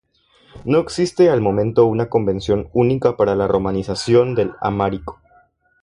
No existe al momento una convención única para la romanización del amhárico.